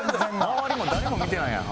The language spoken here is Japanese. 周りも誰も見てないやん